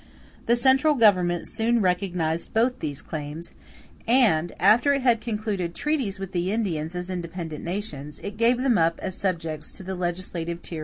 The central Government soon recognized both these claims; and after it had concluded treaties with the Indians as independent nations, it gave them up as subjects to the legislative tyranny of the States.